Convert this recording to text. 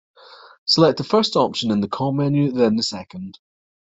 Select the first option in the call menu, then the second.